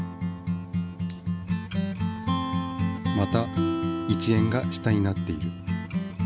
また１円が下になっている。